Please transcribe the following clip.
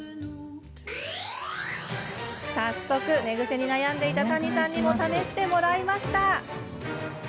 早速寝ぐせに悩んでいた谷さんにも試してもらいました。